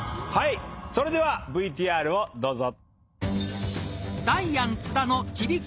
それではＶＴＲをどうぞ。